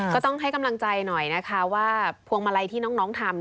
ก็ต้องให้กำลังใจหน่อยนะคะว่าพวงมาลัยที่น้องทำ